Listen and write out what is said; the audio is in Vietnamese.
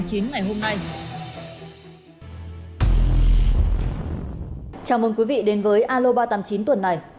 chào mừng quý vị đến với aloba tám mươi chín tuần này